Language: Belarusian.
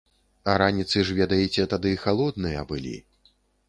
А раніцы ж, ведаеце, тады халодныя былі.